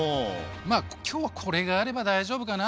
今日はこれがあれば大丈夫かな。